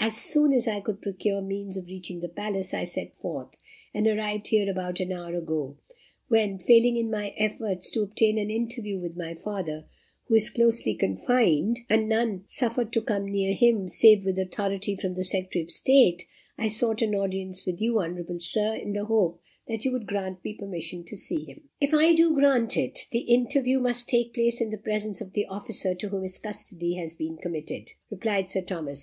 As soon as I could procure means of reaching the palace, I set forth, and arrived here about an hour ago, when, failing in my efforts to obtain an interview with my father, who is closely confined, and none suffered to come near him save with authority from the Secretary of State, I sought an audience of you, honourable Sir, in the hope that you would grant me permission to see him." "If I do grant it, the interview must take place in the presence of the officer to whom his custody has been committed," replied Sir Thomas.